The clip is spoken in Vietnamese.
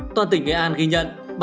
toàn tỉnh nghệ an ghi nhận